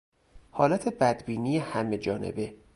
حالت بدبینی همه جانبه